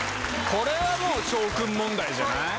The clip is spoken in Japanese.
これはもう翔君問題じゃない？